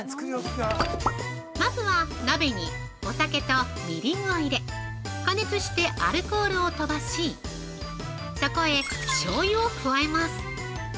まずは、鍋にお酒とみりんを入れ加熱してアルコールを飛ばしそこへ、しょうゆを加えます。